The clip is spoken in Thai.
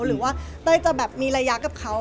หรือว่าเต้ยจะแบบมีระยะกับเขา